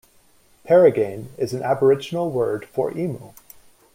"Peregian" is an Aboriginal word for emu.